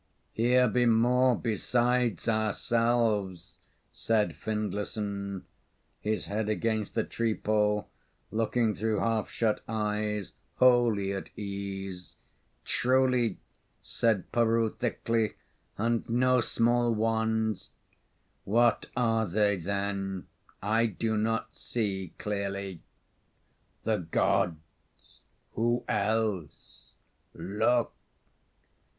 "Here be more beside ourselves," said Findlayson, his head against the treepole, looking through half shut eyes, wholly at ease. "Truly," said Peroo, thickly, "and no small ones." "What are they, then? I do not see clearly." "The Gods. Who else? Look!"